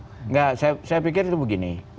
enggak saya pikir itu begini